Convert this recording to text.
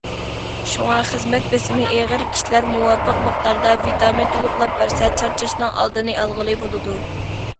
شۇڭا خىزمەت بېسىمى ئېغىر كىشىلەر مۇۋاپىق مىقداردا ۋىتامىن تولۇقلاپ بەرسە، چارچاشنىڭ ئالدىنى ئالغىلى بولىدۇ.